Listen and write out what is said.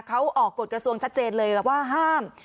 เขาออกกฎกระทรวงชัดเจนเลยว่าห้าม